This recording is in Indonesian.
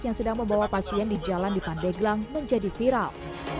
yang sedang membawa pasien di jalan di pandeglang menjadi viral